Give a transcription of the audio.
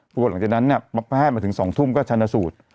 หลังจากนั้นเนี่ยแพทย์มาถึง๒ทุ่มก็ชันสูตร